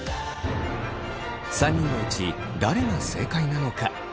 ３人のうち誰が正解なのか？